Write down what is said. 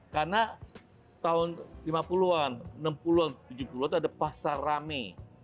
karena tahun lima puluh an enam puluh an tujuh puluh an itu ada pasar rame